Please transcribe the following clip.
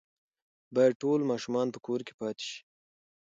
باید ټول ماشومان په کور کې پاتې شي.